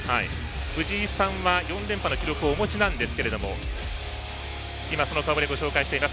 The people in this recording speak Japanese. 藤井さんは４連覇の記録をお持ちですが今、その顔ぶれご紹介しています。